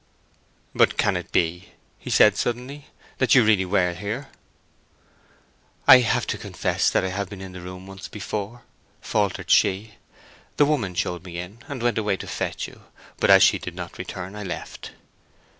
"But can it be," said he, suddenly, "that you really were here?" "I have to confess that I have been in the room once before," faltered she. "The woman showed me in, and went away to fetch you; but as she did not return, I left."